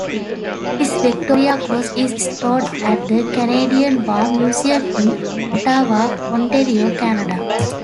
His Victoria Cross is stored at the Canadian War Museum in Ottawa, Ontario, Canada.